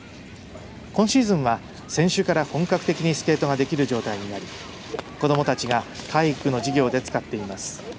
今シーズンは先週から本格的にスケートができる状態になり子どもたちが体育の授業で使っています。